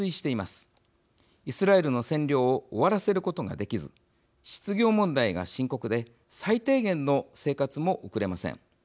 イスラエルの占領を終わらせることができず失業問題が深刻で最低限の生活も送れません。